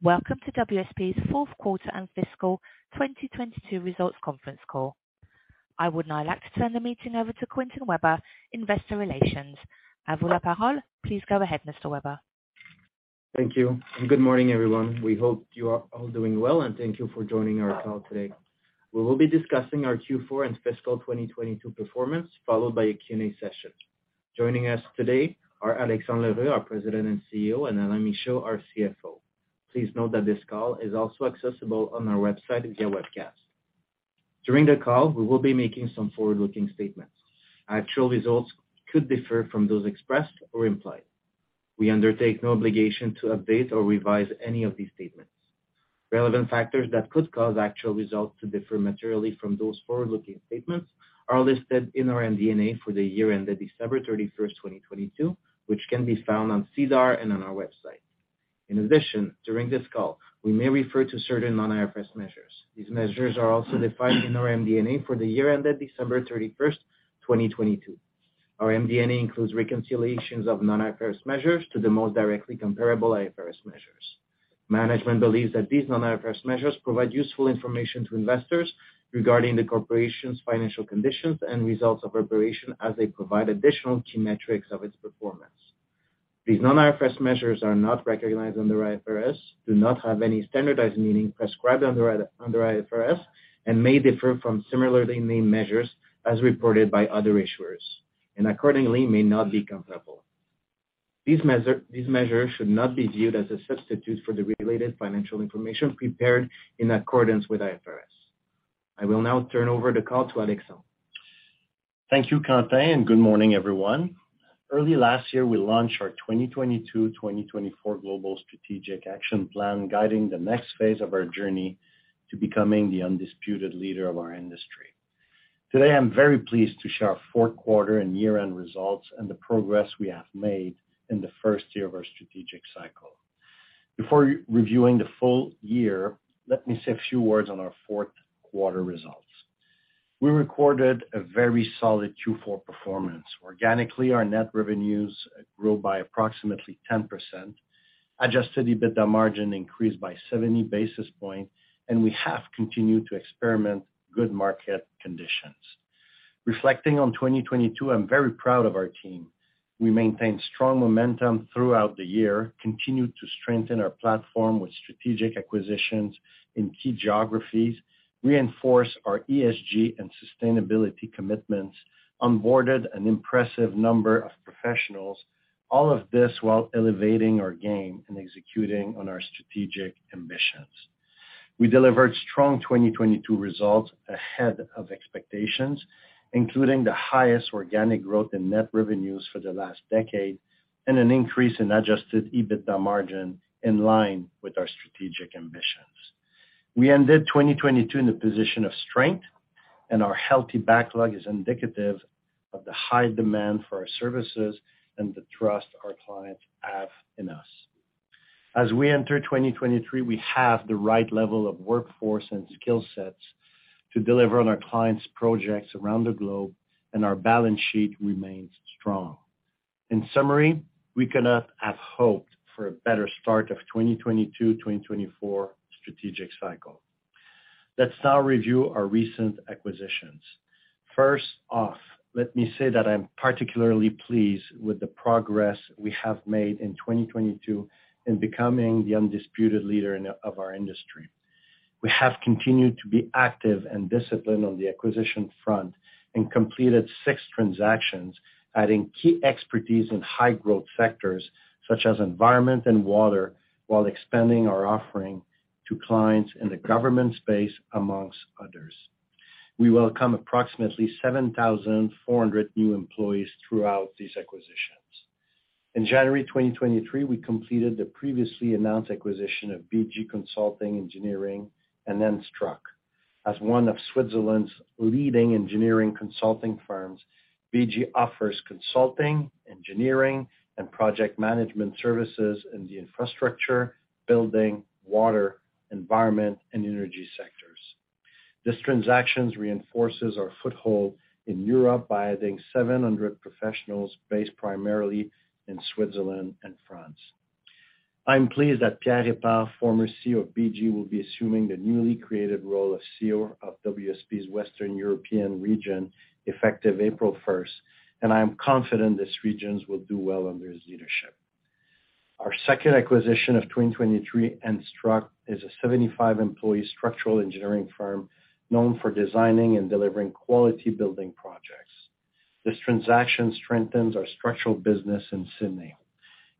Welcome to WSP's fourth quarter and fiscal 2022 results conference call. I would now like to turn the meeting over to Quentin Weber, Investor Relations. Please go ahead, Mr. Weber. Thank you. Good morning, everyone. We hope you are all doing well, and thank you for joining our call today. We will be discussing our Q4 and fiscal 2022 performance, followed by a Q&A session. Joining us today are Alexandre L'Heureux, our President and CEO, and Alain Michaud, our CFO. Please note that this call is also accessible on our website via webcast. During the call, we will be making some forward-looking statements. Actual results could differ from those expressed or implied. We undertake no obligation to update or revise any of these statements. Relevant factors that could cause actual results to differ materially from those forward-looking statements are listed in our MD&A for the year ended December 31st, 2022, which can be found on SEDAR and on our website. In addition, during this call, we may refer to certain non-IFRS measures. These measures are also defined in our MD&A for the year ended December 31st, 2022. Our MD&A includes reconciliations of non-IFRS measures to the most directly comparable IFRS measures. Management believes that these non-IFRS measures provide useful information to investors regarding the corporation's financial conditions and results of operation as they provide additional key metrics of its performance. These non-IFRS measures are not recognized under IFRS, do not have any standardized meaning prescribed under IFRS, and may differ from similarly named measures as reported by other issuers and accordingly may not be comparable. These measures should not be viewed as a substitute for the regulated financial information prepared in accordance with IFRS. I will now turn over the call to Alexandre. Thank you, Quentin, and good morning, everyone. Early last year, we launched our 2022/2024 global strategic action plan, guiding the next phase of our journey to becoming the undisputed leader of our industry. Today, I'm very pleased to share our fourth quarter and year-end results and the progress we have made in the first year of our strategic cycle. Before reviewing the full year, let me say a few words on our fourth quarter results. We recorded a very solid Q4 performance. Organically, our net revenues grew by approximately 10%. Adjusted EBITDA margin increased by 70 basis points, we have continued to experiment good market conditions. Reflecting on 2022, I'm very proud of our team. We maintained strong momentum throughout the year, continued to strengthen our platform with strategic acquisitions in key geographies, reinforced our ESG and sustainability commitments, onboarded an impressive number of professionals, all of this while elevating our game and executing on our strategic ambitions. We delivered strong 2022 results ahead of expectations, including the highest organic growth in net revenues for the last decade and an increase in adjusted EBITDA margin in line with our strategic ambitions. We ended 2022 in a position of strength, our healthy backlog is indicative of the high demand for our services and the trust our clients have in us. As we enter 2023, we have the right level of workforce and skill sets to deliver on our clients' projects around the globe, and our balance sheet remains strong. In summary, we could not have hoped for a better start of 2022/2024 strategic cycle. Let's now review our recent acquisitions. First off, let me say that I'm particularly pleased with the progress we have made in 2022 in becoming the undisputed leader of our industry. We have continued to be active and disciplined on the acquisition front and completed six transactions, adding key expertise in high-growth sectors such as environment and water, while expanding our offering to clients in the government space, amongst others. We welcome approximately 7,400 new employees throughout these acquisitions. In January 2023, we completed the previously announced acquisition of BG Consulting Engineers and then Enstruct. As one of Switzerland's leading engineering consulting firms, BG offers consulting, engineering, and project management services in the infrastructure, building, water, environment, and energy sectors. This transaction reinforces our foothold in Europe by adding 700 professionals based primarily in Switzerland and France. I'm pleased that Pierre Epars, former CEO of BG, will be assuming the newly created role of CEO of WSP's Western European region effective April first. I am confident this region will do well under his leadership. Our second acquisition of 2023, Enstruct, is a 75-employee structural engineering firm known for designing and delivering quality building projects. This transaction strengthens our structural business in Sydney.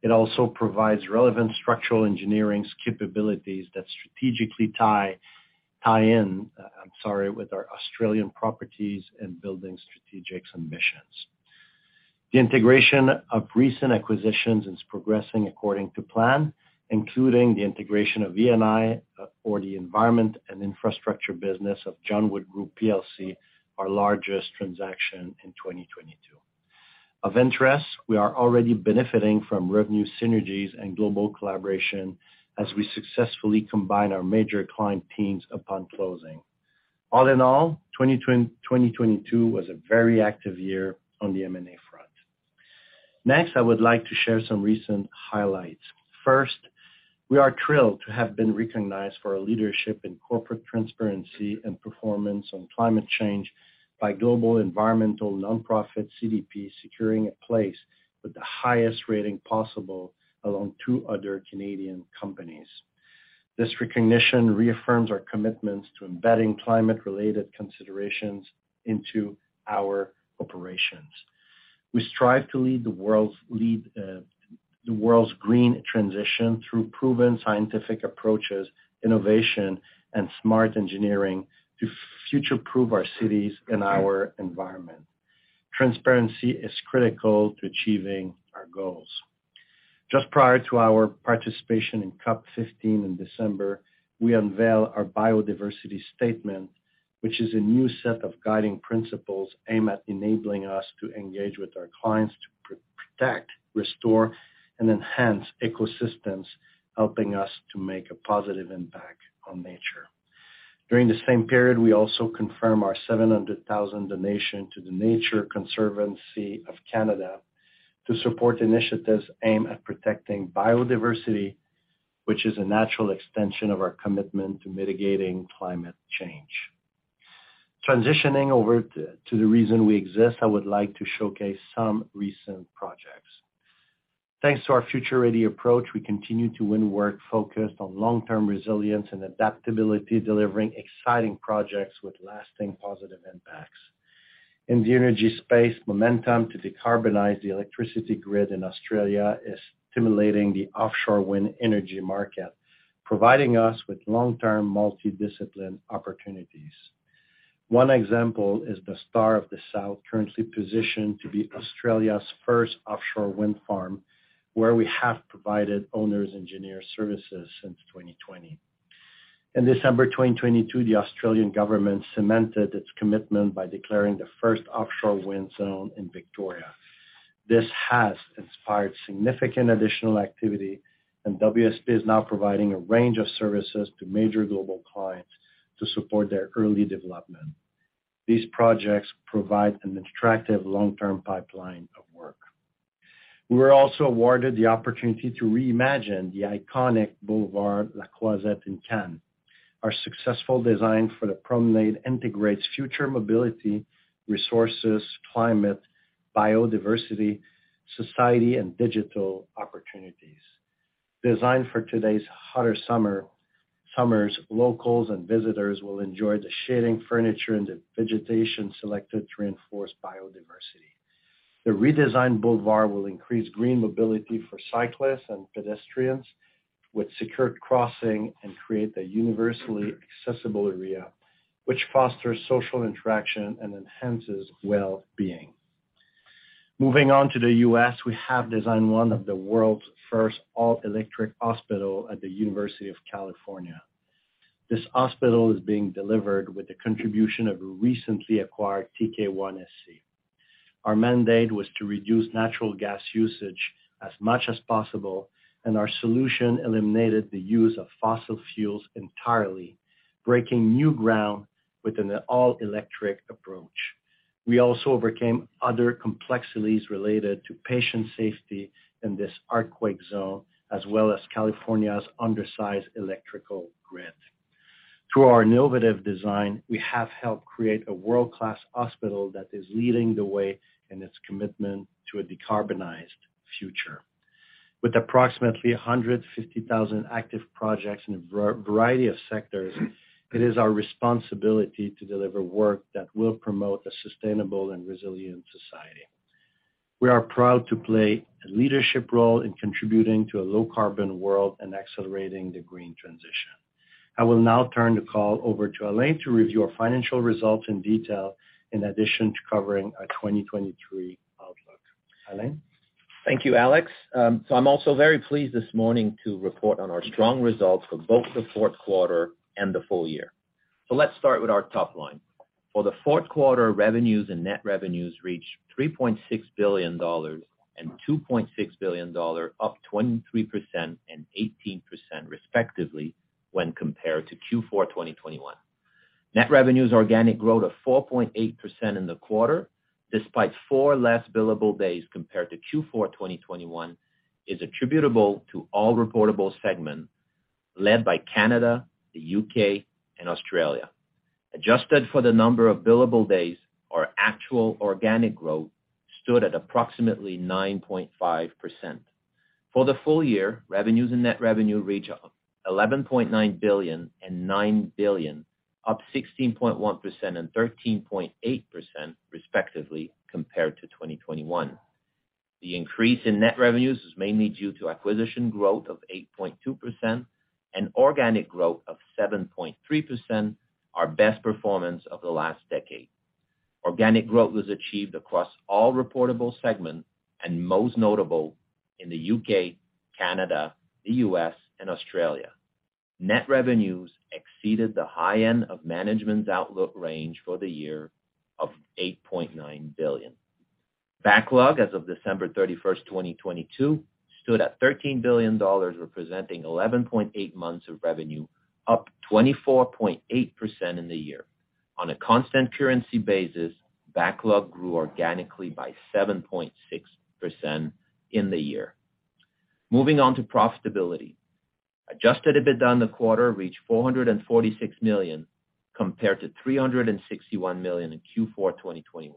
It also provides relevant structural engineering capabilities that strategically tie-in, I'm sorry, with our Australian properties and building strategic ambitions. The integration of recent acquisitions is progressing according to plan, including the integration of E&I, or the environment and infrastructure business of John Wood Group plc, our largest transaction in 2022. Of interest, we are already benefiting from revenue synergies and global collaboration as we successfully combine our major client teams upon closing. All in all, 2022 was a very active year on the M&A front. I would like to share some recent highlights. First, we are thrilled to have been recognized for our leadership in corporate transparency and performance on climate change by global environmental nonprofit CDP, securing a place with the highest rating possible along two other Canadian companies. This recognition reaffirms our commitments to embedding climate-related considerations into our operations. We strive to lead the world's green transition through proven scientific approaches, innovation, and smart engineering to future-proof our cities and our environment. Transparency is critical to achieving our goals. Just prior to our participation in COP15 in December, we unveil our biodiversity statement, which is a new set of guiding principles aimed at enabling us to engage with our clients to protect, restore, and enhance ecosystems, helping us to make a positive impact on nature. During the same period, we also confirm our 700,000 donation to the Nature Conservancy of Canada to support initiatives aimed at protecting biodiversity, which is a natural extension of our commitment to mitigating climate change. Transitioning over to the reason we exist, I would like to showcase some recent projects. Thanks to our future-ready approach, we continue to win work focused on long-term resilience and adaptability, delivering exciting projects with lasting positive impacts. In the energy space, momentum to decarbonize the electricity grid in Australia is stimulating the offshore wind energy market, providing us with long-term multidiscipline opportunities. One example is the Star of the South, currently positioned to be Australia's first offshore wind farm, where we have provided owners engineer services since 2020. In December 2022, the Australian government cemented its commitment by declaring the first offshore wind zone in Victoria. This has inspired significant additional activity, WSP is now providing a range of services to major global clients to support their early development. These projects provide an attractive long-term pipeline of work. We were also awarded the opportunity to reimagine the iconic Boulevard de la Croisette in Cannes. Our successful design for the promenade integrates future mobility, resources, climate, biodiversity, society, and digital opportunities. Designed for today's hotter summers, locals and visitors will enjoy the shading furniture and the vegetation selected to reinforce biodiversity. The redesigned boulevard will increase green mobility for cyclists and pedestrians with secured crossing and create a universally accessible area which fosters social interaction and enhances well-being. Moving on to the U.S., we have designed one of the world's first all-electric hospital at the University of California. This hospital is being delivered with the contribution of a recently acquired tk1sc. Our mandate was to reduce natural gas usage as much as possible, and our solution eliminated the use of fossil fuels entirely, breaking new ground with an all-electric approach. We also overcame other complexities related to patient safety in this earthquake zone, as well as California's undersized electrical grid. Through our innovative design, we have helped create a world-class hospital that is leading the way in its commitment to a decarbonized future. With approximately 150,000 active projects in a variety of sectors, it is our responsibility to deliver work that will promote a sustainable and resilient society. We are proud to play a leadership role in contributing to a low-carbon world and accelerating the green transition. I will now turn the call over to Alain to review our financial results in detail in addition to covering our 2023 outlook. Alain? Thank you, Alex. I'm also very pleased this morning to report on our strong results for both the fourth quarter and the full year. Let's start with our top line. For the fourth quarter, revenues and net revenues reached $3.6 billion and $2.6 billion, up 23% and 18% respectively when compared to Q4 2021. Net revenues organic growth of 4.8% in the quarter, despite four less billable days compared to Q4 2021, is attributable to all reportable segments led by Canada, the U.K., and Australia. Adjusted for the number of billable days, our actual organic growth stood at approximately 9.5%. For the full year, revenues and net revenue reach $11.9 billion and $9 billion, up 16.1% and 13.8% respectively compared to 2021. The increase in net revenues is mainly due to acquisition growth of 8.2% and organic growth of 7.3%, our best performance of the last decade. Organic growth was achieved across all reportable segments and most notable in the U.K., Canada, the U.S., and Australia. Net revenues exceeded the high end of management's outlook range for the year of 8.9 billion. Backlog as of December 31, 2022 stood at 13 billion dollars, representing 11.8 months of revenue, up 24.8% in the year. On a constant currency basis, backlog grew organically by 7.6% in the year. Moving on to profitability. adjusted EBITDA in the quarter reached 446 million, compared to 361 million in Q4 2021.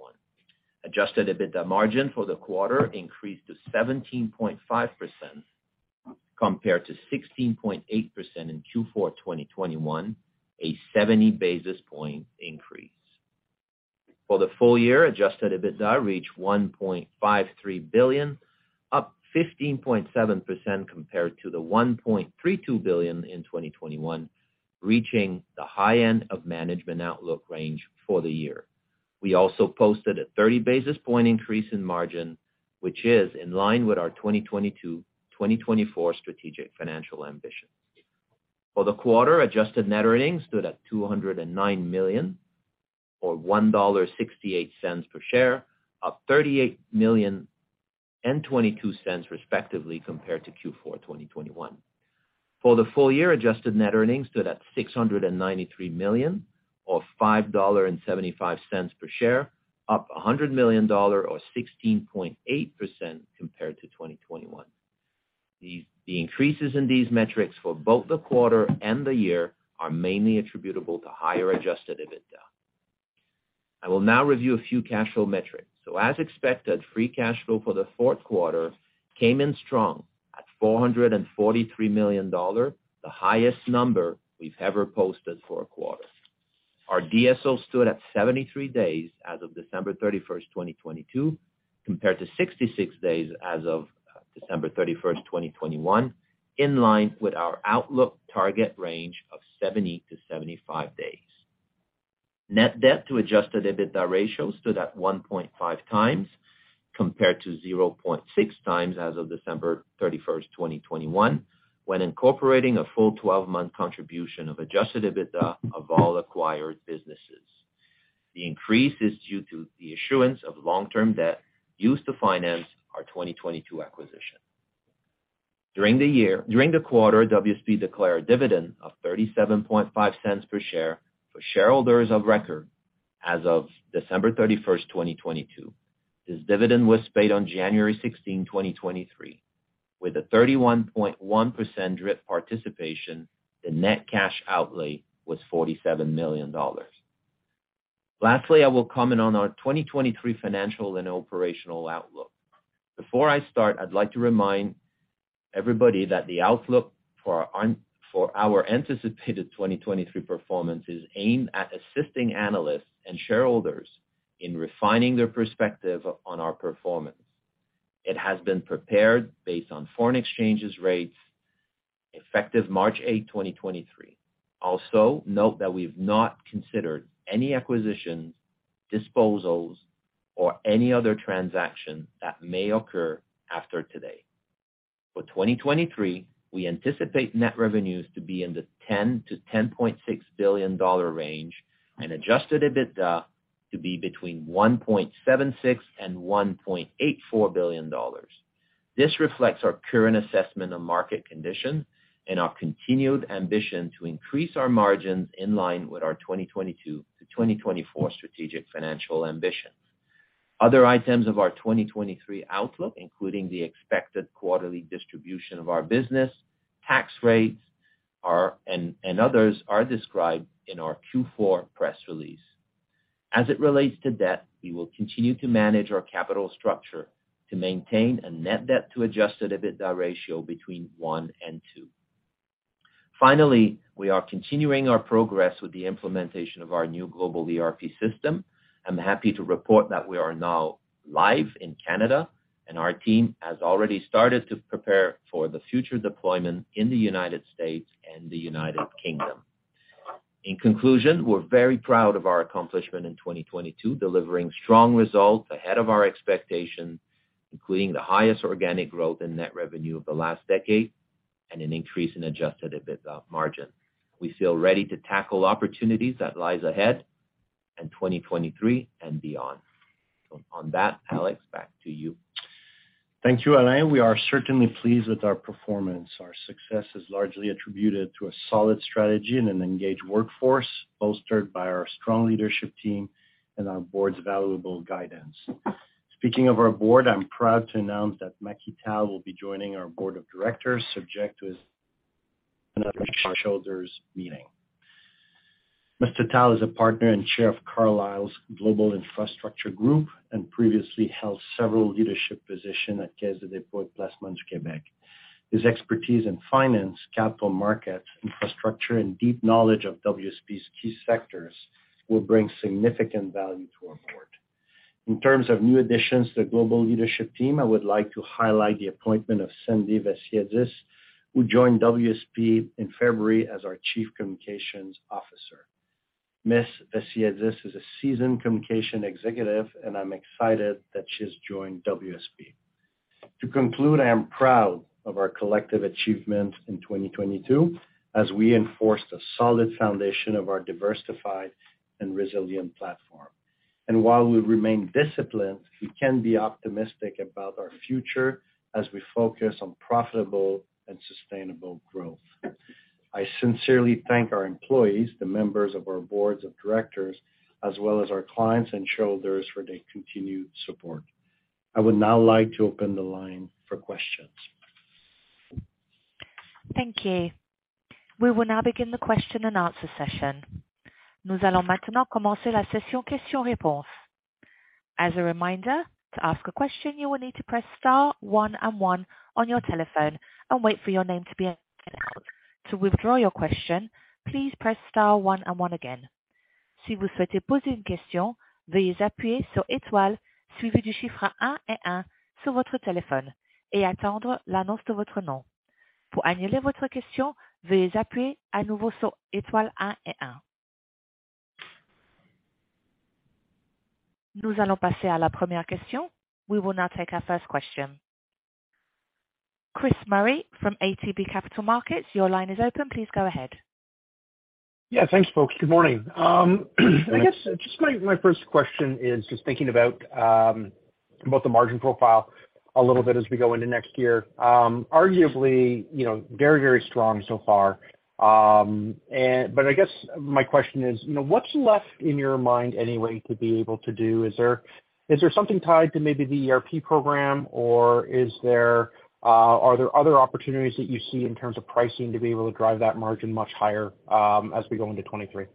Adjusted EBITDA margin for the quarter increased to 17.5% compared to 16.8% in Q4 2021, a 70 basis point increase. For the full year, adjusted EBITDA reached 1.53 billion, up 15.7% compared to the 1.32 billion in 2021, reaching the high end of management outlook range for the year. We also posted a 30 basis point increase in margin, which is in line with our 2022-2024 strategic financial ambitions. For the quarter, adjusted net earnings stood at 209 million or 1.68 dollar per share, up 38 million and 0.22 respectively, compared to Q4 2021. For the full year, adjusted net earnings stood at 693 million, or 5.75 dollar per share, up 100 million dollar or 16.8% compared to 2021. The increases in these metrics for both the quarter and the year are mainly attributable to higher adjusted EBITDA. I will now review a few cash flow metrics. As expected, free cash flow for the fourth quarter came in strong at 443 million dollar, the highest number we've ever posted for a quarter. Our DSO stood at 73 days as of December 31, 2022, compared to 66 days as of December 31, 2021, in line with our outlook target range of 70-75 days. Net debt to adjusted EBITDA ratio stood at 1.5x compared to 0.6x as of December 31, 2021, when incorporating a full 12-month contribution of adjusted EBITDA of all acquired businesses. The increase is due to the issuance of long-term debt used to finance our 2022 acquisition. During the quarter, WSP declared a dividend of 0.375 per share for shareholders of record as of December 31, 2022. This dividend was paid on January 16, 2023. With a 31.1% DRIP participation, the net cash outlay was 47 million dollars. Lastly, I will comment on our 2023 financial and operational outlook. Before I start, I'd like to remind everybody that the outlook for our anticipated 2023 performance is aimed at assisting analysts and shareholders in refining their perspective on our performance. It has been prepared based on foreign exchanges rates effective March 8, 2023. Note that we've not considered any acquisitions, disposals, or any other transaction that may occur after today. For 2023, we anticipate net revenues to be in the $10 billion-$10.6 billion range, and adjusted EBITDA to be between $1.76 billion and $1.84 billion. This reflects our current assessment of market conditions and our continued ambition to increase our margins in line with our 2022-2024 strategic financial ambitions. Other items of our 2023 outlook, including the expected quarterly distribution of our business, tax rates are, and others are described in our Q4 press release. As it relates to debt, we will continue to manage our capital structure to maintain a net debt to adjusted EBITDA ratio between one and two. We are continuing our progress with the implementation of our new global ERP system. I'm happy to report that we are now live in Canada, and our team has already started to prepare for the future deployment in the United States and the United Kingdom. In conclusion, we're very proud of our accomplishment in 2022, delivering strong results ahead of our expectations, including the highest organic growth in net revenue of the last decade and an increase in adjusted EBITDA margin. We feel ready to tackle opportunities that lies ahead in 2023 and beyond. On that, Alex, back to you. Thank you, Alain. We are certainly pleased with our performance. Our success is largely attributed to a solid strategy and an engaged workforce, bolstered by our strong leadership team and our board's valuable guidance. Speaking of our board, I'm proud to announce that Macky Tall will be joining our board of directors, subject to his shareholders meeting. Mr. Tall is a Partner and Chair of Carlyle's Global Infrastructure Group and previously held several leadership position at Caisse de dépôt et placement du Québec. His expertise in finance, capital markets, infrastructure, and deep knowledge of WSP's key sectors will bring significant value to our board. In terms of new additions to the global leadership team, I would like to highlight the appointment of Sandy Vassiadis, who joined WSP in February as our Chief Communications Officer. Ms. Vassiadis is a seasoned communication executive, and I'm excited that she's joined WSP. To conclude, I am proud of our collective achievements in 2022 as we enforced a solid foundation of our diversified and resilient platform. While we remain disciplined, we can be optimistic about our future as we focus on profitable and sustainable growth. I sincerely thank our employees, the members of our boards of directors, as well as our clients and shareholders for their continued support. I would now like to open the line for questions. Thank you. We will now begin the question and answer session. As a reminder, to ask a question, you will need to press star one and one on your telephone and wait for your name to be announced. To withdraw your question, please press star one and one again. We will now take our first question. Chris Murray from ATB Capital Markets, your line is open. Please go ahead. Yeah. Thanks, folks. Good morning. I guess just my first question is just thinking about about the margin profile a little bit as we go into next year. Arguably, you know, very, very strong so far. I guess my question is, you know, what's left in your mind anyway to be able to do? Is there something tied to maybe the ERP program, or are there other opportunities that you see in terms of pricing to be able to drive that margin much higher as we go into 2023?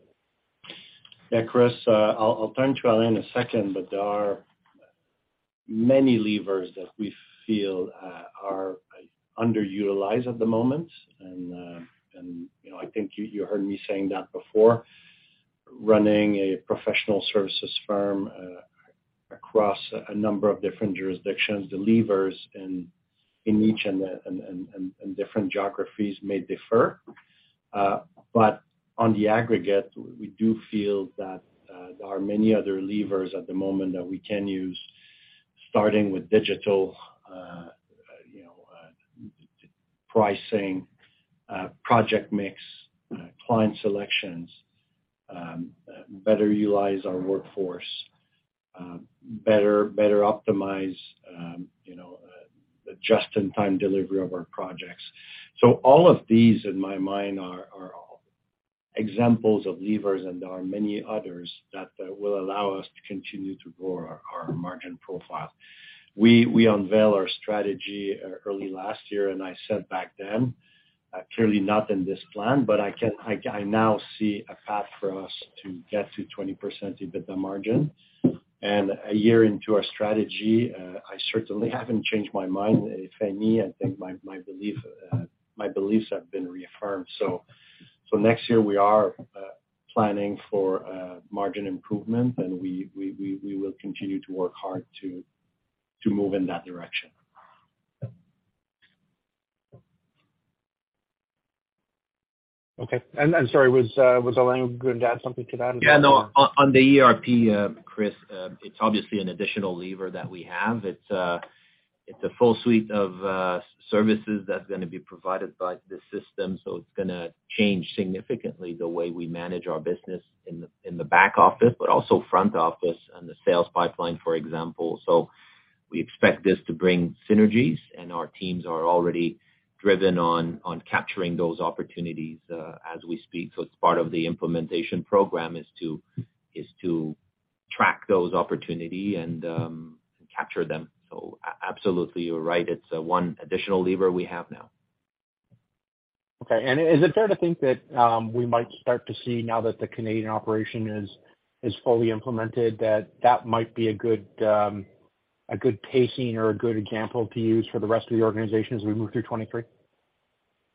Chris, I'll turn to Alain in a second, but there are many levers that we feel are underutilized at the moment. You know, I think you heard me saying that before. Running a professional services firm across a number of different jurisdictions, the levers in each and different geographies may differ. But on the aggregate, we do feel that there are many other levers at the moment that we can use, starting with digital, you know, pricing, project mix, client selections, better utilize our workforce, better optimize, you know, the just-in-time delivery of our projects. All of these in my mind are examples of levers, and there are many others that will allow us to continue to grow our margin profile. We unveiled our strategy early last year, and I said back then, clearly not in this plan, but I now see a path for us to get to 20% EBITDA margin. A year into our strategy, I certainly haven't changed my mind. If any, I think my belief, my beliefs have been reaffirmed. Next year we are planning for margin improvement, and we will continue to work hard to move in that direction. Okay. Sorry, was Alain going to add something to that as well? No. On the ERP, Chris, it's obviously an additional lever that we have. It's a full suite of services that's gonna be provided by the system, so it's gonna change significantly the way we manage our business in the back office, but also front office and the sales pipeline, for example. We expect this to bring synergies, and our teams are already driven on capturing those opportunities as we speak. It's part of the implementation program is to track those opportunity and capture them. Absolutely, you're right. It's one additional lever we have now. Okay. Is it fair to think that we might start to see now that the Canadian operation is fully implemented, that that might be a good pacing or a good example to use for the rest of the organization as we move through 2023?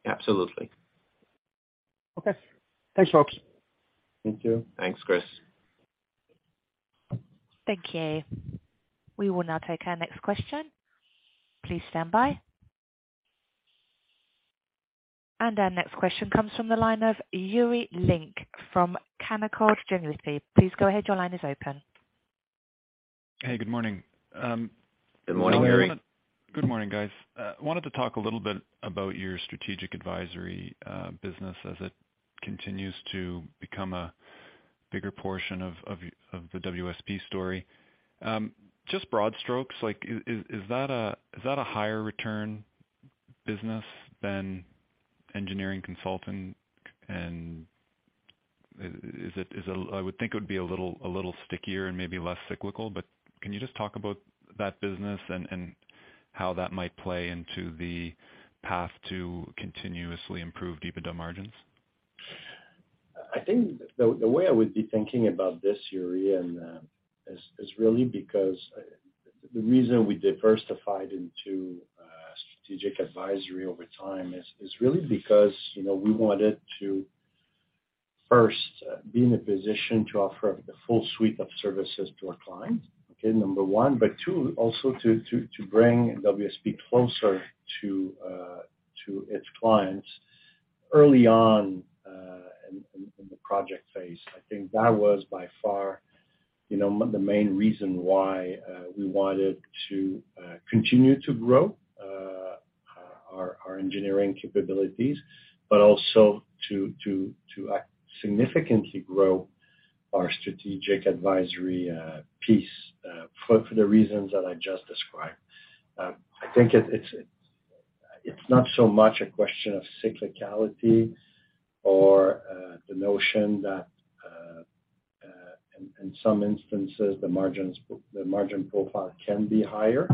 Absolutely. Okay. Thanks, folks. Thank you. Thanks, Chris. Thank you. We will now take our next question. Please stand by. Our next question comes from the line of Yuri Lynk from Canaccord Genuity. Please go ahead. Your line is open. Hey, good morning. Good morning, Yuri. Good morning, guys. Wanted to talk a little bit about your strategic advisory business as it continues to become a bigger portion of the WSP story. Just broad strokes, is that a higher return business than engineering consulting? Is it, I would think it would be a little stickier and maybe less cyclical, but can you just talk about that business and how that might play into the path to continuously improve EBITDA margins? I think the way I would be thinking about this, Yuri, and is really because the reason we diversified into strategic advisory over time is really because, you know, we wanted to first be in a position to offer the full suite of services to our clients, okay, number one. Two, also to bring WSP closer to its clients early on in the project phase. I think that was by far, you know, the main reason why we wanted to continue to grow our engineering capabilities, also to significantly grow our strategic advisory piece for the reasons that I just described. I think it's not so much a question of cyclicality or the notion that in some instances the margin profile can be higher.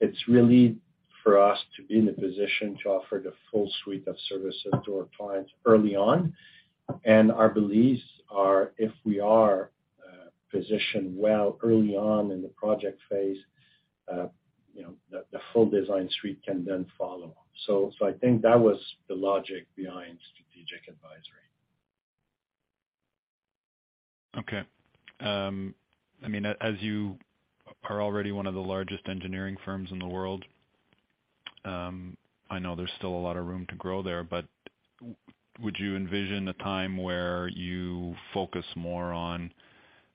It's really for us to be in a position to offer the full suite of services to our clients early on. Our beliefs are if we are positioned well early on in the project phase, you know, the full design suite can then follow. I think that was the logic behind strategic advisory. Okay. I mean, as you are already one of the largest engineering firms in the world, I know there's still a lot of room to grow there. Would you envision a time where you focus more on,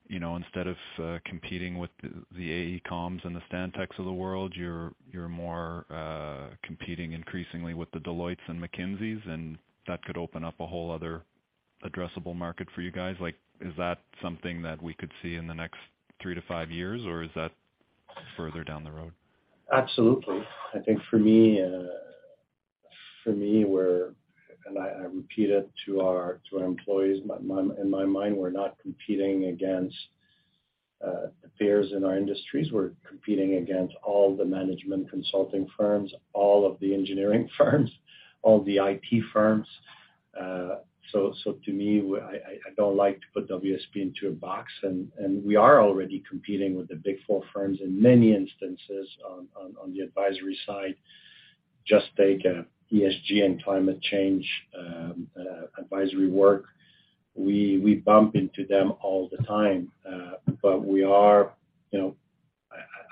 you know, instead of competing with the AECOM's and the Stantec's of the world, you're more competing increasingly with the Deloitte's and McKinsey's, and that could open up a whole other addressable market for you guys? Like, is that something that we could see in the next three to five years, or is that further down the road? Absolutely. I think for me, for me, we're not competing against peers in our industries. We're competing against all the management consulting firms, all of the engineering firms, all the IT firms. So to me, I don't like to put WSP into a box, and we are already competing with the Big Four firms in many instances on the advisory side. Just take ESG and climate change advisory work. We bump into them all the time. We are, you know,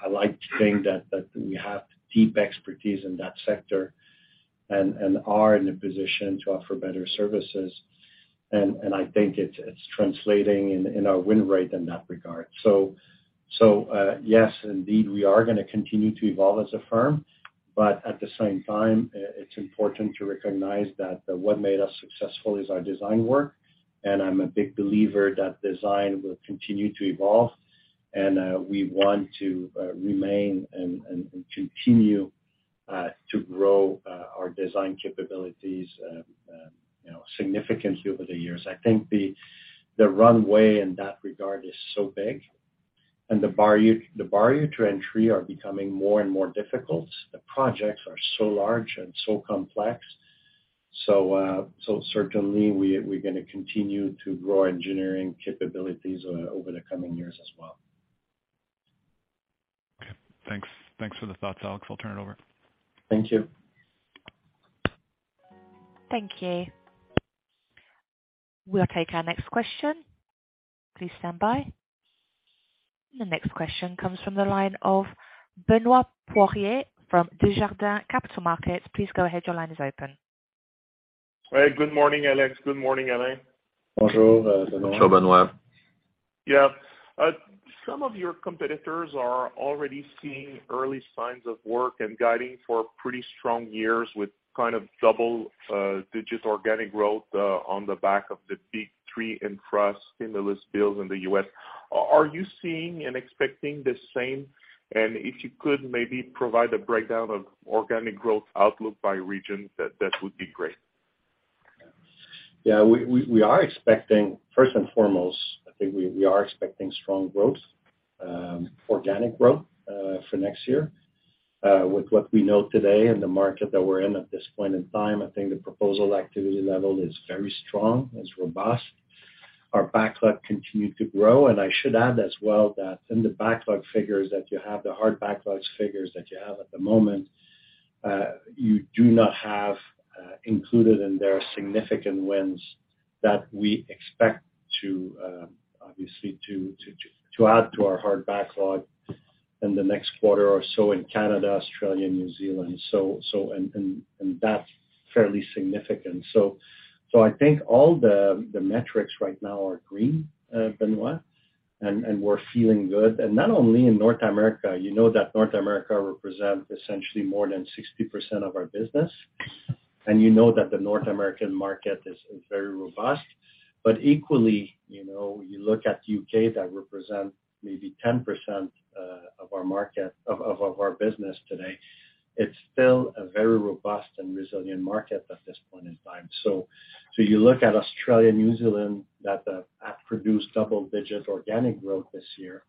I like to think that we have deep expertise in that sector and are in a position to offer better services. I think it's translating in our win rate in that regard. Yes, indeed, we are gonna continue to evolve as a firm. At the same time, it's important to recognize that what made us successful is our design work, and I'm a big believer that design will continue to evolve and we want to remain and continue to grow our design capabilities, you know, significantly over the years. I think the runway in that regard is so big and the barrier to entry are becoming more and more difficult. The projects are so large and so complex. Certainly we're gonna continue to grow engineering capabilities over the coming years as well. Thanks. Thanks for the thoughts, Alex. I'll turn it over. Thank you. Thank you. We'll take our next question. Please stand by. The next question comes from the line of Benoit Poirier from Desjardins Capital Markets. Please go ahead. Your line is open. Hey, good morning, Alex. Good morning, Alain. Bonjour, Benoit. Bonjour, Benoit. Yeah. Some of your competitors are already seeing early signs of work and guiding for pretty strong years with kind of double digit organic growth on the back of the big three Infra stimulus bills in the U.S. Are you seeing and expecting the same? If you could maybe provide a breakdown of organic growth outlook by region, that would be great. Yeah. We are expecting, first and foremost, I think we are expecting strong growth, organic growth for next year. With what we know today and the market that we're in at this point in time, I think the proposal activity level is very strong. It's robust. Our backlog continued to grow. I should add as well that in the backlog figures that you have, the hard backlogs figures that you have at the moment, you do not have included in their significant wins that we expect to obviously add to our hard backlog in the next quarter or so in Canada, Australia, and New Zealand. That's fairly significant. I think all the metrics right now are green, Benoit, and we're feeling good. Not only in North America, you know that North America represent essentially more than 60% of our business. You know that the North American market is very robust. Equally, you know, you look at U.K., that represent maybe 10% of our market, of our business today. It's still a very robust and resilient market at this point in time. You look at Australia, New Zealand, that have produced double-digit organic growth this year,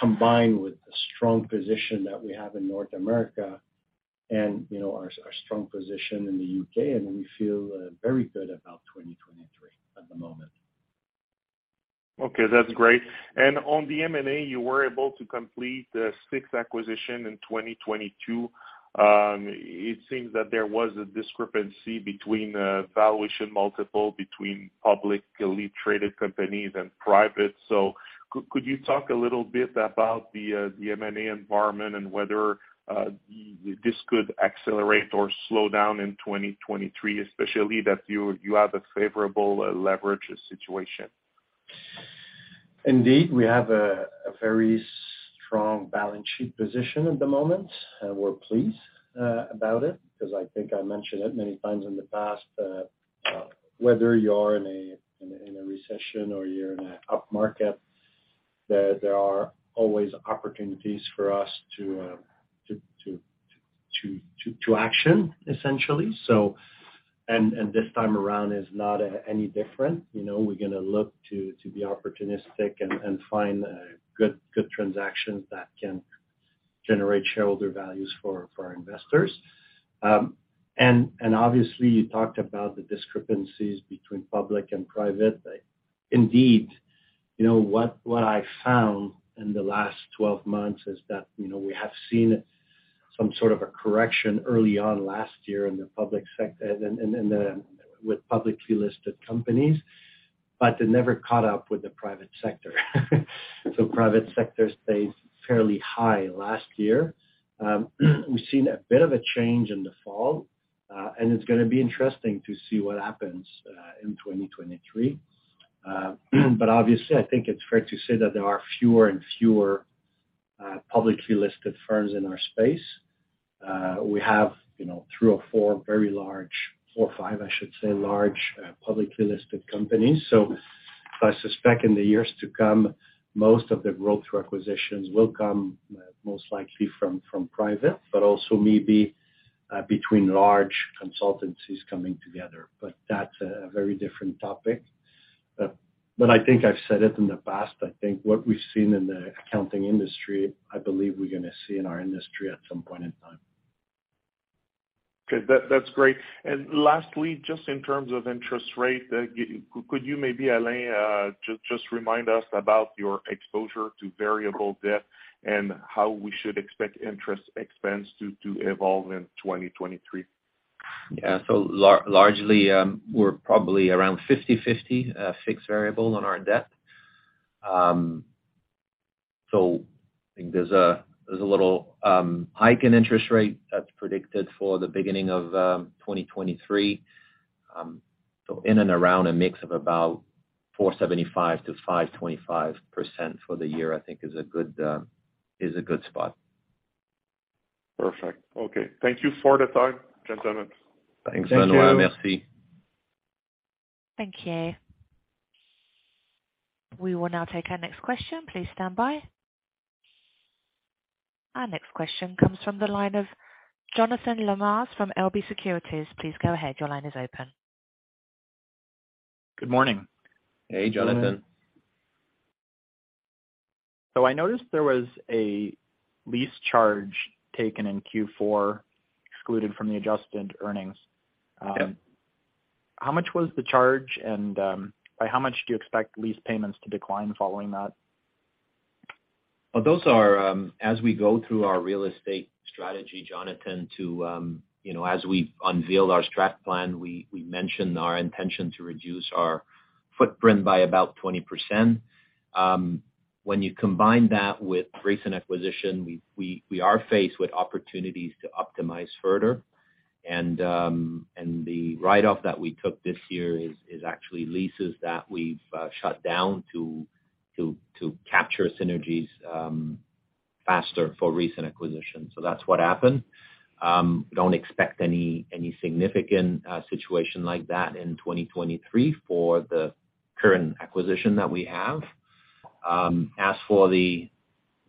combined with the strong position that we have in North America and, you know, our strong position in the U.K., and we feel very good about 2023 at the moment. Okay, that's great. On the M&A, you were able to complete the sixth acquisition in 2022. It seems that there was a discrepancy between valuation multiple between public elite traded companies and private. Could you talk a little bit about the M&A environment and whether this could accelerate or slow down in 2023, especially that you have a favorable leverage situation? Indeed, we have a very strong balance sheet position at the moment, and we're pleased about it because I think I mentioned it many times in the past that, whether you're in a recession or you're in a up market, there are always opportunities for us to action essentially. This time around is not any different. You know, we're gonna look to be opportunistic and find good transactions that can generate shareholder values for our investors. Obviously, you talked about the discrepancies between public and private. Indeed, you know, what I found in the last 12 months is that, you know, we have seen some sort of a correction early on last year with publicly listed companies, but it never caught up with the private sector. Private sector stayed fairly high last year. We've seen a bit of a change in the fall, and it's gonna be interesting to see what happens in 2023. Obviously, I think it's fair to say that there are fewer and fewer publicly listed firms in our space. We have, you know, three or four very large, four or five, I should say, large publicly listed companies. I suspect in the years to come, most of the growth acquisitions will come most likely from private, but also maybe between large consultancies coming together. That's a very different topic. I think I've said it in the past, I think what we've seen in the accounting industry, I believe we're gonna see in our industry at some point in time. Okay. That's great. Lastly, just in terms of interest rate, could you maybe, Alain, just remind us about your exposure to variable debt and how we should expect interest expense to evolve in 2023? Yeah. Largely, we're probably around 50/50 fixed variable on our debt. I think there's a little hike in interest rate that's predicted for the beginning of 2023. In and around a mix of about 4.75%-5.25% for the year, I think is a good spot. Perfect. Okay. Thank you for the time, gentlemen. Thanks. Thank you. Benoit. Thank you. We will now take our next question. Please stand by. Our next question comes from the line of Jonathan Lamers from LB Securities. Please go ahead. Your line is open. Good morning. Hey, Jonathan. I noticed there was a lease charge taken in Q4 excluded from the adjusted earnings. Yeah. How much was the charge? By how much do you expect lease payments to decline following that? Well, those are, as we go through our real estate strategy, Jonathan, to, you know, as we've unveiled our strat plan, we mentioned our intention to reduce our footprint by about 20%. When you combine that with recent acquisition, we are faced with opportunities to optimize further. The write-off that we took this year is actually leases that we've shut down to capture synergies faster for recent acquisitions. That's what happened. Don't expect any significant situation like that in 2023 for the current acquisition that we have. As for the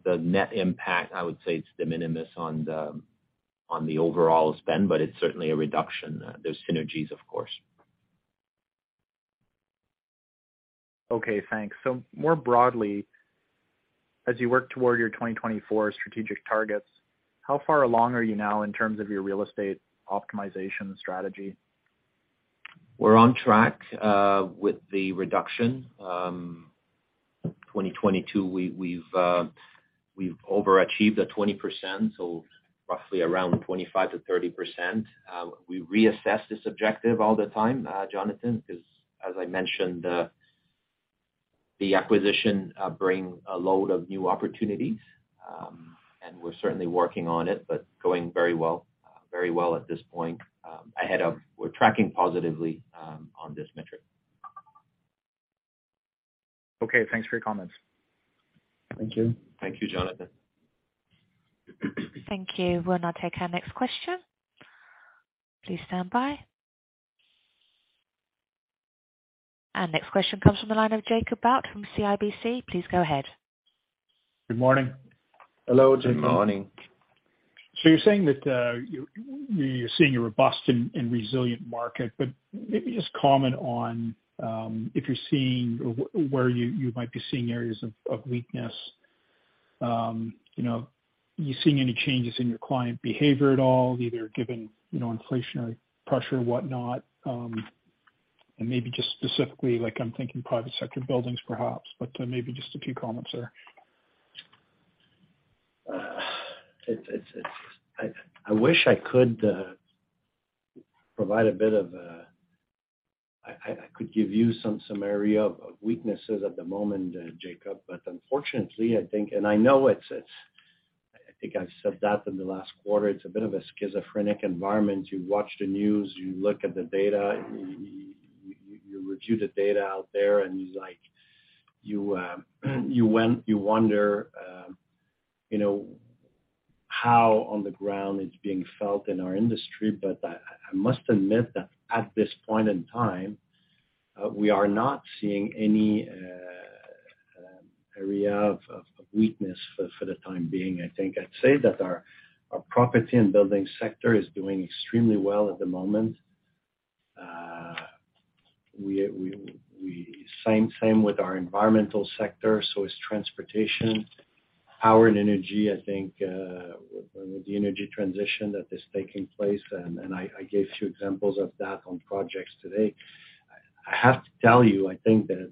net impact, I would say it's de minimis on the overall spend, but it's certainly a reduction. There's synergies, of course. Okay, thanks. More broadly, as you work toward your 2024 strategic targets, how far along are you now in terms of your real estate optimization strategy? We're on track with the reduction. 2022, we've overachieved at 20%, so roughly around 25%-30%. We reassess this objective all the time, Jonathan, 'cause as I mentioned, the acquisition bring a load of new opportunities. We're certainly working on it, but going very well at this point. Ahead of we're tracking positively on this metric. Okay, thanks for your comments. Thank you. Thank you, Jonathan. Thank you. We'll now take our next question. Please stand by. Our next question comes from the line of Jacob Bout from CIBC. Please go ahead. Good morning. Hello, Jacob. Good morning. You're saying that you're seeing a robust and resilient market, but maybe just comment on if you're seeing or where you might be seeing areas of weakness. You know, are you seeing any changes in your client behavior at all, either given, you know, inflationary pressure or whatnot, and maybe just specifically like I'm thinking private sector buildings perhaps, but maybe just a few comments there? I wish I could provide a bit of a... I could give you some summary of weaknesses at the moment, Jacob. Unfortunately, I think, and I know it's I think I've said that in the last quarter. It's a bit of a schizophrenic environment. You watch the news, you look at the data, you review the data out there, and it's like you wonder, you know, how on the ground it's being felt in our industry. I must admit that at this point in time, we are not seeing any area of weakness for the time being. I think I'd say that our property and building sector is doing extremely well at the moment. Same with our environmental sector, so is transportation. Power and energy, I think, with the energy transition that is taking place, and I gave a few examples of that on projects today. I have to tell you, I think that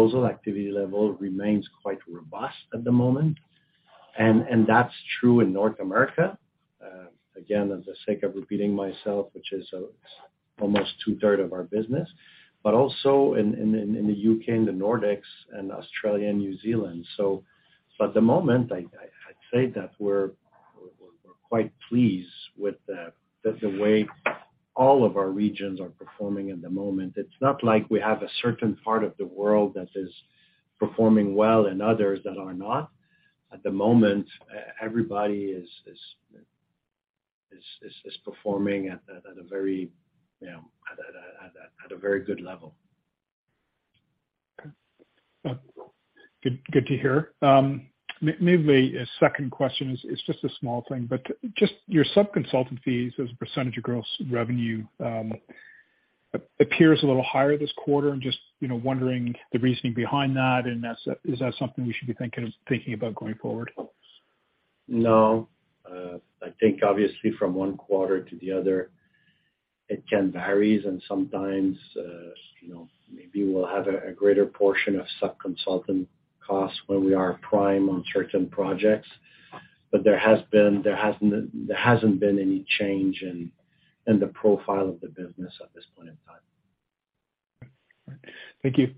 the proposal activity level remains quite robust at the moment. That's true in North America. Again, at the sake of repeating myself, which is almost two-third of our business, but also in the U.K., and the Nordics, and Australia, and New Zealand. For the moment I'd say that we're quite pleased with the way all of our regions are performing at the moment. It's not like we have a certain part of the world that is performing well and others that are not. At the moment, everybody is performing at a very, you know, at a very good level. Okay. Good to hear. Maybe a second question is just a small thing, but just your sub-consultant fees as a % of gross revenue, appears a little higher this quarter. I'm just, you know, wondering the reasoning behind that. Is that something we should be thinking about going forward? No. I think obviously from one quarter to the other, it can varies and sometimes, you know, maybe we'll have a greater portion of sub-consultant costs when we are prime on certain projects. There hasn't been any change in the profile of the business at this point in time. Thank you.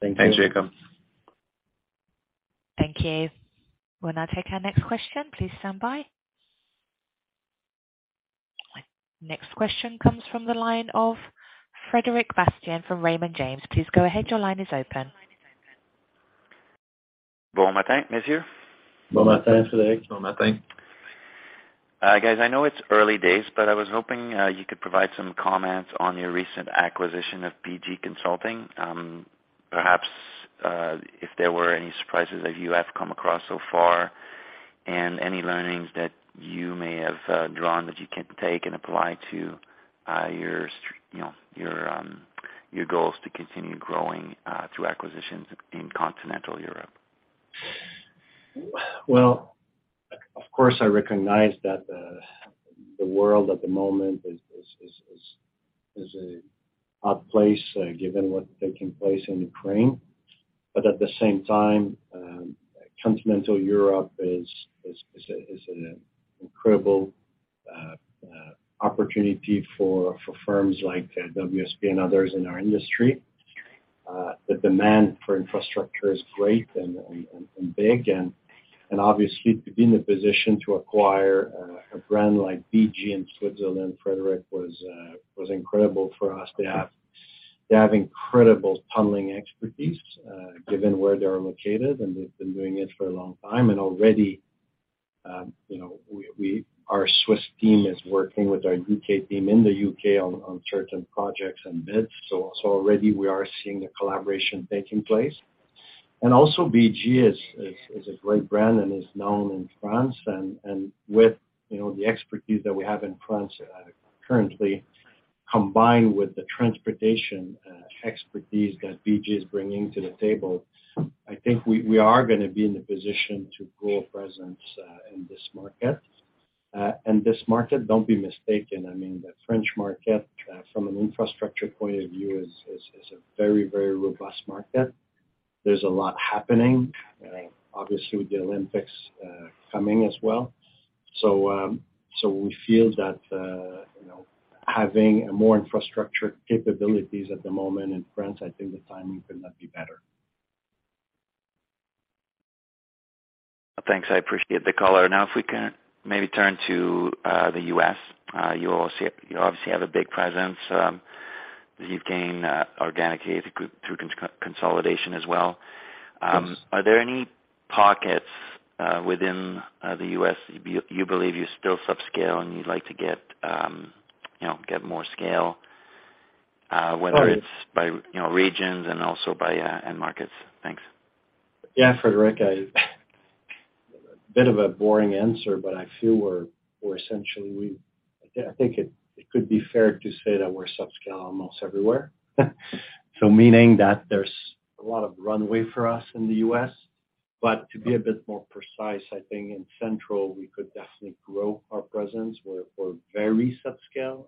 Thank you. Thanks, Jacob. Thank you. We'll now take our next question. Please stand by. Next question comes from the line of Frederic Bastien from Raymond James. Please go ahead, your line is open. Bon matin, Alexandre. Bon matin, Frederic. Bon matin. Guys, I know it's early days, I was hoping you could provide some comments on your recent acquisition of BG Consulting. Perhaps, if there were any surprises that you have come across so far, and any learnings that you may have drawn that you can take and apply to your, you know, your goals to continue growing through acquisitions in continental Europe? Of course, I recognize that the world at the moment is a odd place, given what's taking place in Ukraine. At the same time, continental Europe is an incredible opportunity for firms like WSP and others in our industry. The demand for infrastructure is great and big and obviously to be in a position to acquire a brand like BG in Switzerland, Frederic, was incredible for us. They have incredible tunneling expertise, given where they're located, and they've been doing it for a long time. Already, you know, our Swiss team is working with our U.K. team in the U.K. on certain projects and bids. Already we are seeing the collaboration taking place. Also BG is a great brand and is known in France. With, you know, the expertise that we have in France, currently, combined with the transportation expertise that BG is bringing to the table, I think we are gonna be in a position to grow a presence in this market. This market, don't be mistaken, I mean, the French market, from an infrastructure point of view is a very, very robust market. There's a lot happening, obviously with the Olympics, coming as well. We feel that, you know, having more infrastructure capabilities at the moment in France, I think the timing could not be better. Thanks. I appreciate the color. Now, if we can maybe turn to the U.S. You obviously have a big presence that you've gained organically through consolidation as well. Yes. Are there any pockets within the U.S. you believe you're still subscale and you'd like to get, you know, get more scale? Sorry. Whether it's by, you know, regions and also by end markets? Thanks. Yeah, Frederic, a bit of a boring answer, but I feel we're essentially I think it could be fair to say that we're subscale almost everywhere. Meaning that there's a lot of runway for us in the U.S. To be a bit more precise, I think in Central, we could definitely grow our presence. We're very subscale.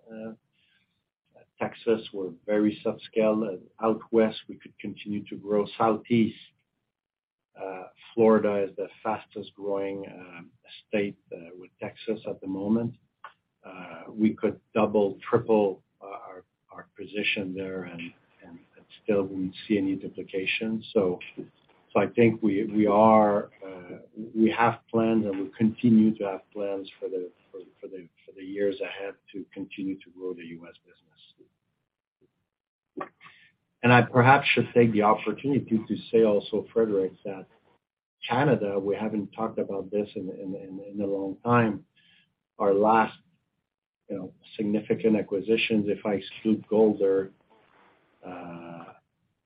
Texas, we're very subscale. Out West, we could continue to grow. Southeast, Florida is the fastest growing state with Texas at the moment. We could double, triple our position there and still we see any duplication. I think we are, we have plans and we continue to have plans for the years ahead to continue to grow the U.S. business. I perhaps should take the opportunity to say also, Frederic, that Canada, we haven't talked about this in a long time. Our last, you know, significant acquisitions, if I exclude Golder,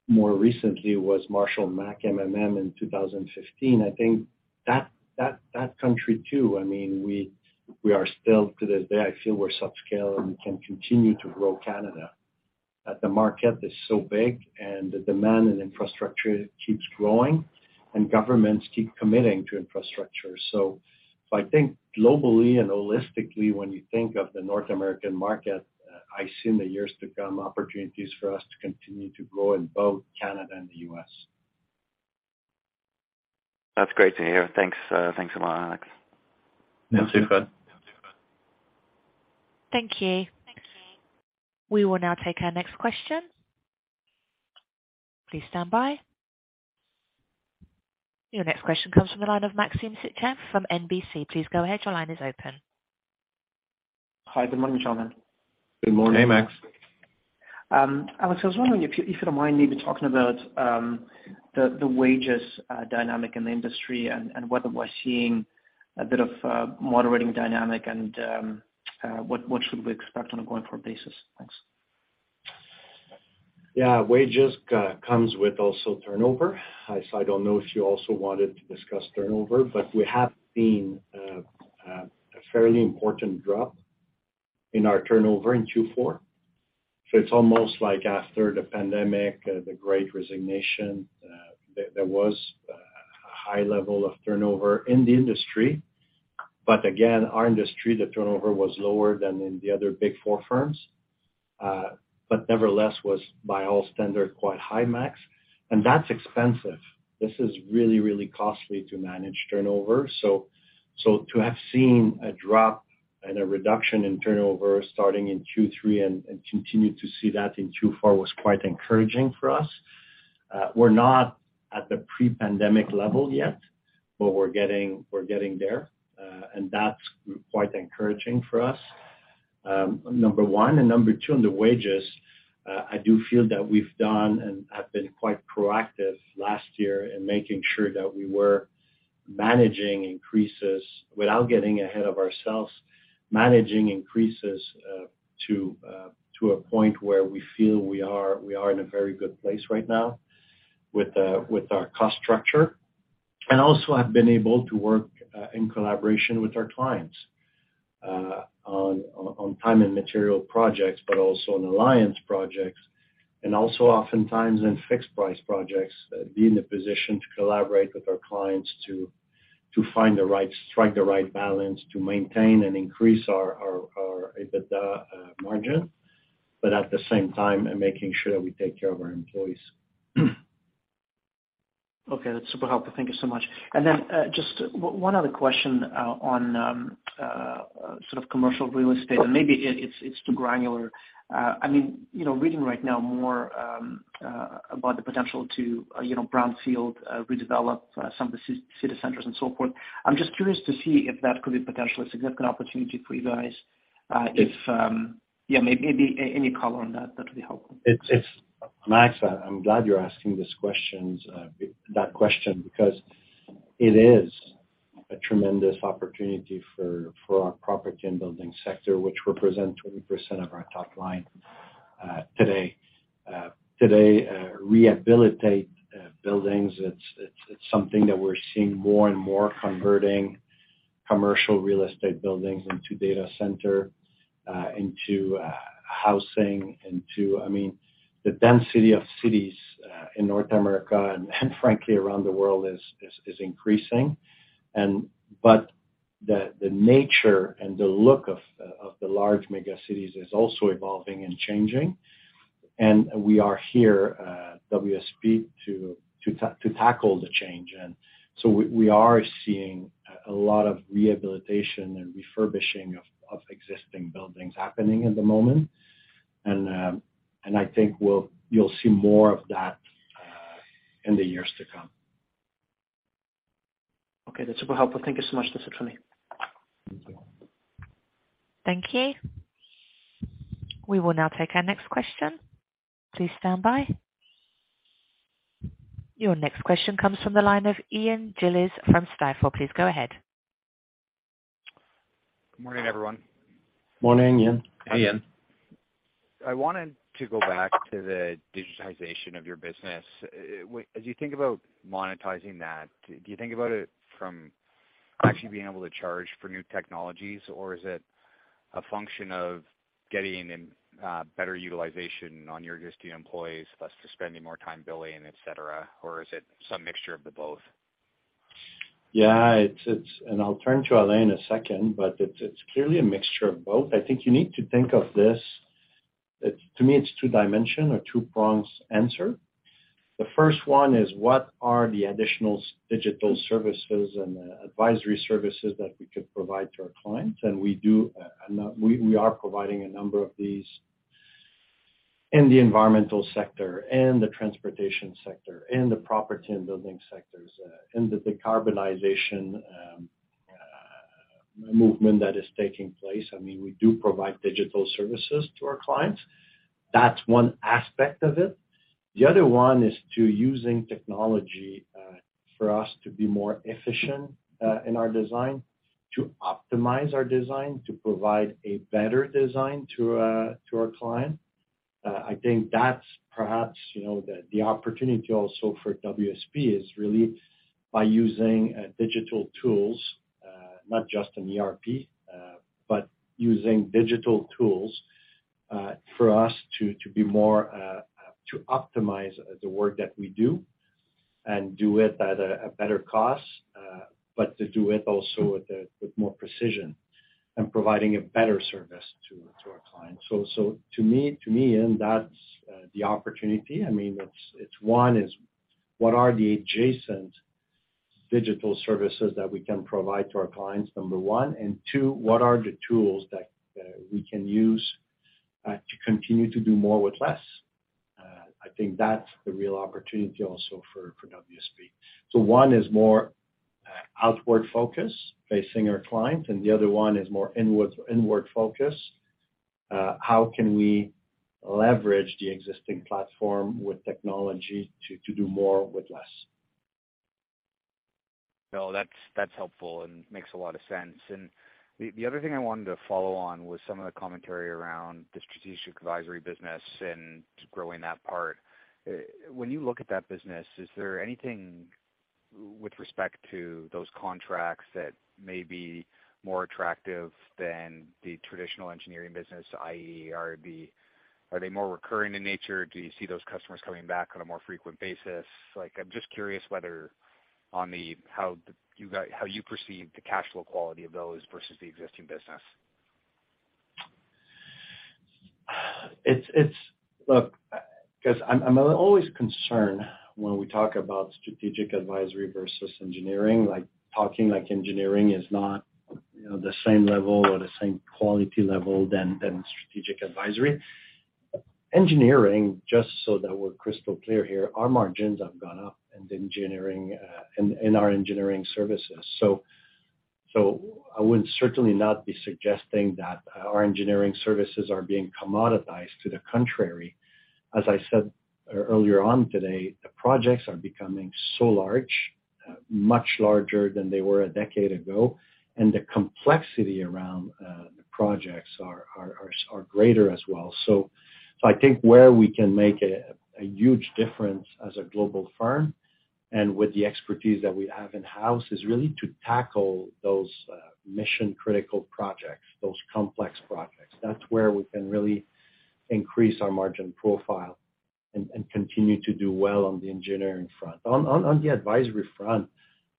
more recently was MMM Group Limited in 2015. I think that country too, I mean, we are still to this day, I feel we're subscale, and we can continue to grow Canada. The market is so big and the demand in infrastructure keeps growing and governments keep committing to infrastructure. I think globally and holistically, when you think of the North American market, I see in the years to come, opportunities for us to continue to grow in both Canada and the U.S. That's great to hear. Thanks. Thanks a lot, Alex. Yeah. Thanks, Fred. Thank you. We will now take our next question. Please stand by. Your next question comes from the line of Maxim Sytchev from NB Financial. Please go ahead. Your line is open. Hi, good morning, gentlemen. Good morning. Hey, Max. Alex, I was wondering if you don't mind maybe talking about the wages, dynamic in the industry and whether we're seeing a bit of a moderating dynamic and what should we expect on a going forward basis? Thanks. Yeah, wages comes with also turnover. I don't know if you also wanted to discuss turnover, but we have seen a fairly important drop in our turnover in Q4. It's almost like after the pandemic, the great resignation, there was a high level of turnover in the industry. Again, our industry, the turnover was lower than in the other Big Four firms, but nevertheless was by all standard, quite high, Max. That's expensive. This is really, really costly to manage turnover. To have seen a drop and a reduction in turnover starting in Q3 and continue to see that in Q4 was quite encouraging for us. We're not at the pre-pandemic level yet, but we're getting, we're getting there. And that's quite encouraging for us, number one. Number two, on the wages, I do feel that we've done and have been quite proactive last year in making sure that we were managing increases without getting ahead of ourselves, managing increases to a point where we feel we are, we are in a very good place right now with our cost structure. Also have been able to work in collaboration with our clients on time and material projects, but also on alliance projects, and also oftentimes in fixed price projects, be in a position to collaborate with our clients to strike the right balance, to maintain and increase our EBITDA margin, but at the same time and making sure that we take care of our employees. Okay, that's super helpful. Thank you so much. Just one other question on sort of commercial real estate, and maybe it's too granular. I mean, you know, reading right now more about the potential to, you know, brownfield redevelop some of the city centers and so forth. I'm just curious to see if that could be potentially a significant opportunity for you guys. If, yeah, maybe any color on that would be helpful. It's Max, I'm glad you're asking these questions, that question because it is a tremendous opportunity for our property and building sector, which represent 20% of our top line today. Today, rehabilitate buildings, it's something that we're seeing more and more converting commercial real estate buildings into data center, into housing, into, I mean, the density of cities in North America and frankly, around the world is increasing. But the nature and the look of the large mega cities is also evolving and changing. We are here, WSP to tackle the change. So we are seeing a lot of rehabilitation and refurbishing of existing buildings happening at the moment. I think you'll see more of that in the years to come. Okay, that's super helpful. Thank you so much. That's it for me. Thank you. Thank you. We will now take our next question. Please stand by. Your next question comes from the line of Ian Gillies from Stifel. Please go ahead. Good morning, everyone. Morning, Ian. Hey, Ian. I wanted to go back to the digitization of your business. As you think about monetizing that, do you think about it from actually being able to charge for new technologies, or is it a function of getting better utilization on your existing employees, thus spending more time billing, et cetera? Is it some mixture of the both? Yeah, I'll turn to Alain in a second, but it's clearly a mixture of both. I think you need to think of this. To me it's two-dimension or two-pronged answer. The first one is what are the additional digital services and the advisory services that we could provide to our clients? We do, and we are providing a number of these in the environmental sector and the transportation sector and the property and building sectors, and the decarbonization movement that is taking place. I mean, we do provide digital services to our clients. That's one aspect of it. The other one is to using technology for us to be more efficient in our design, to optimize our design, to provide a better design to our client. I think that's perhaps, you know, the opportunity also for WSP is really by using digital tools, not just an ERP, but using digital tools for us to be more to optimize the work that we do and do it at a better cost, but to do it also with more precision and providing a better service to our clients. So to me, to me, Ian, that's the opportunity. I mean, it's one is what are the adjacent digital services that we can provide to our clients, number one, and two, what are the tools that we can use to continue to do more with less? I think that's the real opportunity also for WSP. One is more, outward focus facing our client, and the other one is more inward focus. How can we leverage the existing platform with technology to do more with less? No, that's helpful and makes a lot of sense. The other thing I wanted to follow on was some of the commentary around the strategic advisory business and just growing that part. When you look at that business, is there anything with respect to those contracts that may be more attractive than the traditional engineering business, i.e., Are they more recurring in nature? Do you see those customers coming back on a more frequent basis? Like, I'm just curious whether on how you perceive the cash flow quality of those versus the existing business. It's. Look, because I'm always concerned when we talk about strategic advisory versus engineering, like engineering is not, you know, the same level or the same quality level than strategic advisory. Engineering, just so that we're crystal clear here, our margins have gone up in engineering, in our engineering services. I would certainly not be suggesting that our engineering services are being commoditized to the contrary. As I said earlier on today, the projects are becoming so large, much larger than they were a decade ago, and the complexity around the projects are greater as well. I think where we can make a huge difference as a global firm and with the expertise that we have in-house is really to tackle those mission-critical projects, those complex projects. That's where we can really increase our margin profile and continue to do well on the engineering front. On the advisory front,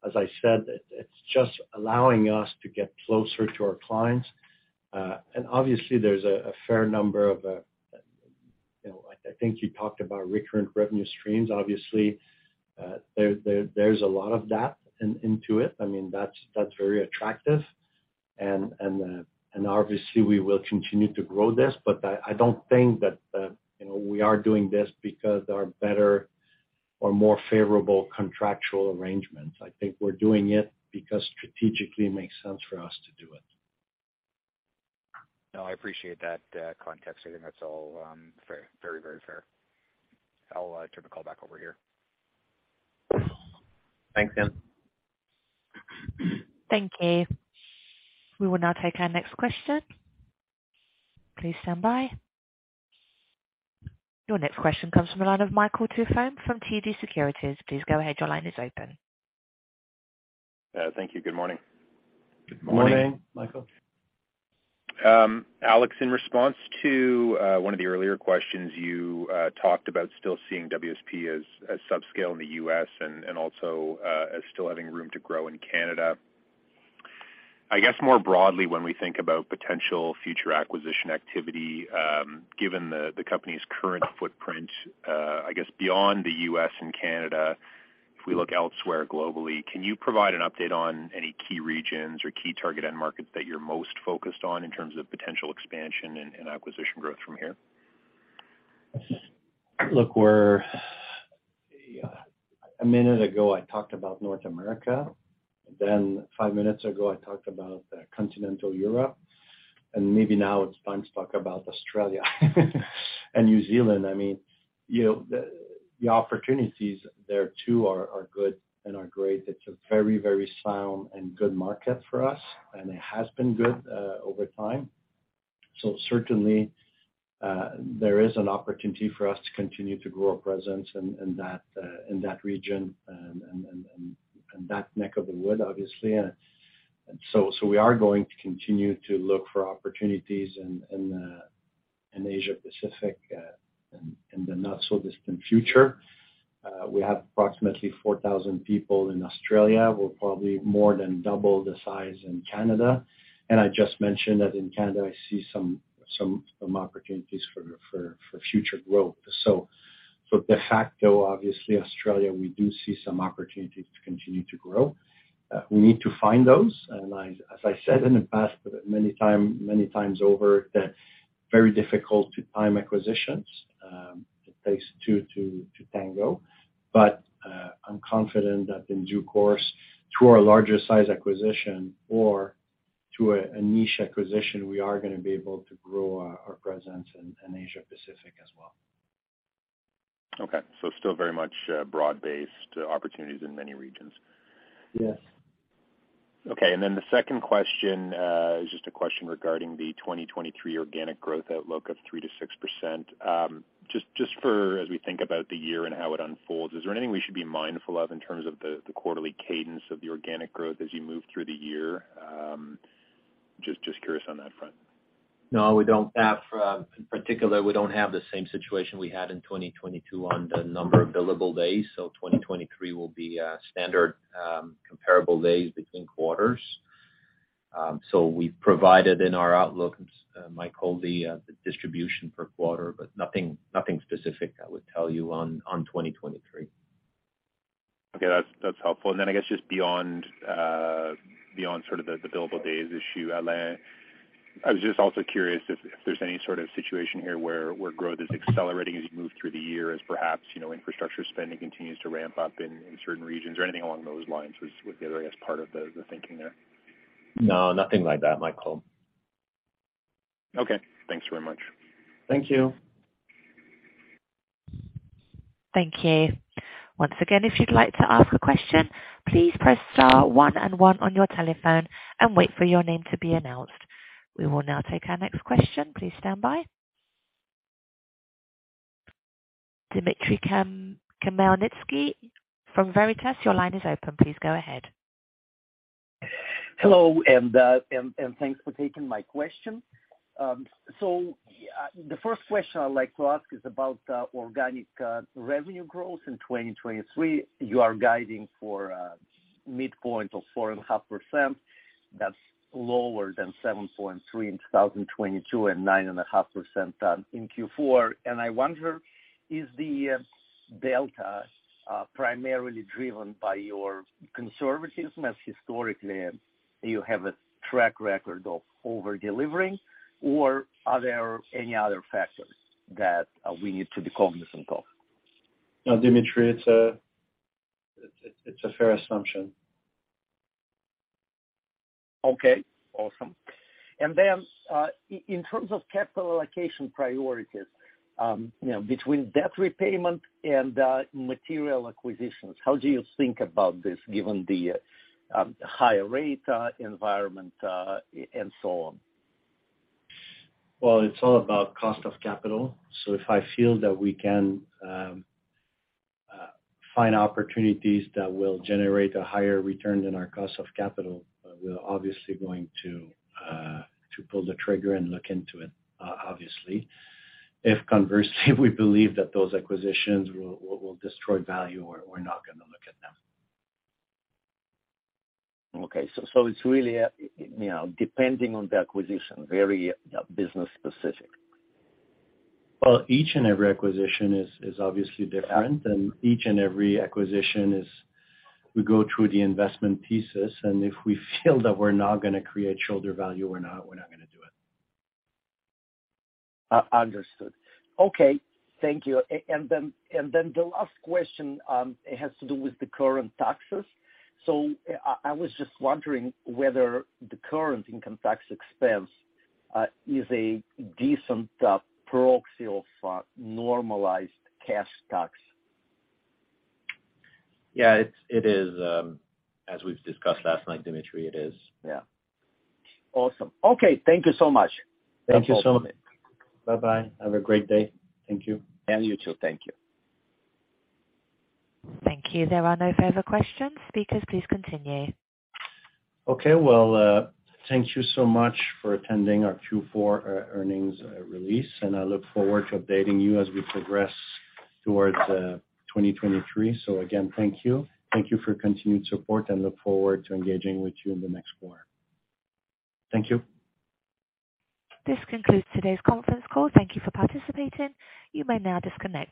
as I said, it's just allowing us to get closer to our clients. Obviously, there's a fair number of, you know, I think you talked about recurrent revenue streams. Obviously, there's a lot of that into it. I mean, that's very attractive. Obviously, we will continue to grow this. I don't think that, you know, we are doing this because there are better or more favorable contractual arrangements. I think we're doing it because strategically it makes sense for us to do it. No, I appreciate that context. I think that's all fair, very, very fair. I'll turn the call back over here. Thanks, Ian. Thank you. We will now take our next question. Please stand by. Your next question comes from the line of Michael Tupholme from TD Securities. Please go ahead. Your line is open. Thank you. Good morning. Good morning, Michael. Alex, in response to one of the earlier questions, you talked about still seeing WSP as subscale in the U.S. and also as still having room to grow in Canada. I guess more broadly, when we think about potential future acquisition activity, given the company's current footprint, I guess beyond the U.S. and Canada, if we look elsewhere globally, can you provide an update on any key regions or key target end markets that you're most focused on in terms of potential expansion and acquisition growth from here? Look, A minute ago, I talked about North America. Five minutes ago, I talked about Continental Europe. Maybe now it's time to talk about Australia and New Zealand. I mean, you know, the opportunities there too are good and are great. It's a very sound and good market for us, and it has been good over time. Certainly, there is an opportunity for us to continue to grow our presence in that region and that neck of the wood, obviously. We are going to continue to look for opportunities in Asia Pacific in the not so distant future. We have approximately 4,000 people in Australia. We're probably more than double the size in Canada. I just mentioned that in Canada, I see some opportunities for future growth. de facto, obviously Australia, we do see some opportunity to continue to grow. We need to find those. As I said in the past, many times over, that very difficult to time acquisitions. It takes two to tango. I'm confident that in due course, through our larger size acquisition or through a niche acquisition, we are gonna be able to grow our presence in Asia Pacific as well. Okay. still very much, broad-based opportunities in many regions. Yes. Okay. The second question is just a question regarding the 2023 organic growth outlook of 3%-6%. Just for as we think about the year and how it unfolds, is there anything we should be mindful of in terms of the quarterly cadence of the organic growth as you move through the year? Just curious on that front. No, we don't have. In particular, we don't have the same situation we had in 2022 on the number of billable days. 2023 will be standard comparable days between quarters. We've provided in our outlook, Michael, the distribution per quarter, but nothing specific I would tell you on 2023. Okay. That's helpful. I guess just beyond sort of the billable days issue, Alain, I was just also curious if there's any sort of situation here where growth is accelerating as you move through the year as perhaps, you know, infrastructure spending continues to ramp up in certain regions or anything along those lines was the other, I guess, part of the thinking there. No, nothing like that, Michael. Okay. Thanks very much. Thank you. Thank you. Once again, if you'd like to ask a question, please press star one and one on your telephone and wait for your name to be announced. We will now take our next question. Please stand by. Dimitry Khmelnitsky from Veritas, your line is open. Please go ahead. Hello, and thanks for taking my question. The first question I'd like to ask is about organic revenue growth in 2023. You are guiding for midpoint of 4.5%. That's lower than 7.3 in 2022 and 9.5% in Q4. I wonder, is the delta primarily driven by your conservatism, as historically you have a track record of over-delivering, or are there any other factors that we need to be cognizant of? No, Dimitry, it's a fair assumption. Okay. Awesome. In terms of capital allocation priorities, you know, between debt repayment and material acquisitions, how do you think about this given the higher rate environment and so on? It's all about cost of capital. If I feel that we can, find opportunities that will generate a higher return than our cost of capital, we're obviously going to pull the trigger and look into it, obviously. If conversely, we believe that those acquisitions will destroy value, we're not gonna look at them. It's really, you know, depending on the acquisition, very business specific. Well, each and every acquisition is obviously different, and each and every acquisition is we go through the investment pieces, and if we feel that we're not gonna create shareholder value, we're not gonna do it. understood. Okay. Thank you. The last question, it has to do with the current taxes. I was just wondering whether the current income tax expense is a decent proxy of normalized cash tax. Yeah, it is, as we've discussed last night, Dimitry, it is. Yeah. Awesome. Okay. Thank you so much. Thank you so much. No problem. Bye-bye. Have a great day. Thank you. Yeah, you too. Thank you. Thank you. There are no further questions. Speakers, please continue. Thank you so much for attending our Q4 earnings release, and I look forward to updating you as we progress towards 2023. Thank you. Thank you for your continued support and look forward to engaging with you in the next quarter. Thank you. This concludes today's conference call. Thank you for participating. You may now disconnect.